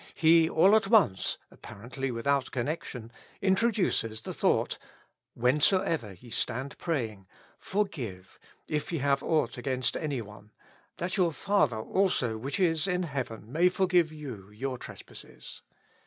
He all at once, appar ently without connection, introduces the thought, *' Whensoever ye stand praying, forgive, if ye have aught against any one ; that your Father also which is in heaven may forgive you your trespasses."